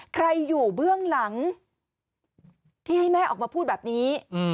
ใครอยู่เบื้องหลังที่ให้แม่ออกมาพูดแบบนี้